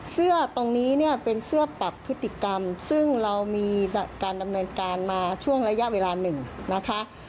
เสื้อตรงนี้เนี่ยเป็นเสื้อปรับพฤติกรรมซึ่งเรามีการดำเนินการมาช่วงระยะเวลาหนึ่งนะคะ